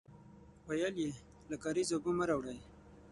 ويې ويل: له کارېزه اوبه مه راوړی!